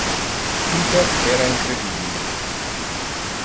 Peter era incredibile.